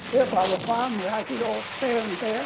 thế quả bột pha một mươi hai kg tê một tê